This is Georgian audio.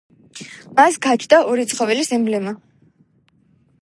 მას გააჩნდა ორი ცხოველის ემბლემა.